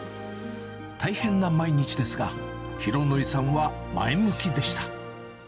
大変な毎日ですが、浩敬さんは前向きでした。